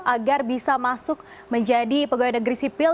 agar bisa masuk menjadi pegawai negeri sipil